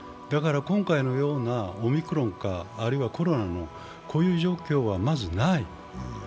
だから今回のようなオミクロンかあるいはコロナのこういう状況は、まずない。